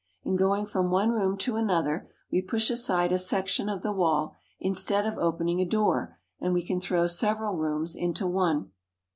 In going from one room to another, we push aside a section of the wall instead of opening a door, and we can throw several rooms into one.